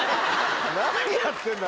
何やってんだよ。